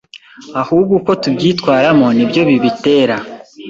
ahubwo uko tubyitwaramo ni byo bibitera